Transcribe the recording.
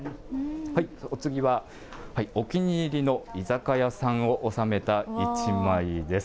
お次は、お気に入りの居酒屋さんを収めた一枚です。